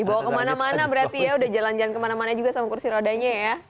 dibawa kemana mana berarti ya udah jalan jalan kemana mana juga sama kursi rodanya ya